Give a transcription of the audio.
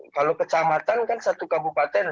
kalau kecamatan kan satu kabupaten